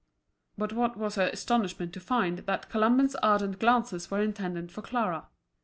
But what was her astonishment to find that Colomban's ardent glances were intended for Clara.